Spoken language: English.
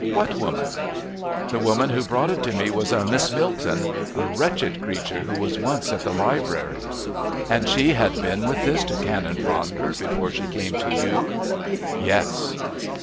What woman? "The woman who brought it to me was a Miss Milton a wretched creature who was once at the Library." "And she had been with this to Canon Ronder before she came to you?" "Yes."